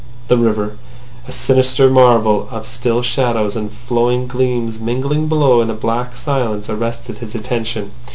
The river, a sinister marvel of still shadows and flowing gleams mingling below in a black silence, arrested his attention.